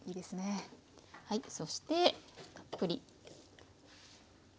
そしてたっぷり。